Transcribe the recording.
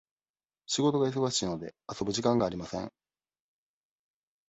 仕事が忙しいので、遊ぶ時間がありません。